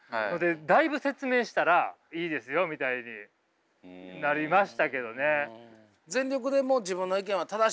だいぶ説明したらいいですよみたいになりましたけどね。